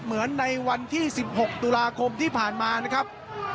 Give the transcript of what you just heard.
เหมือนในวันที่๑๖ตุลาคมที่ผ่านมานะครับ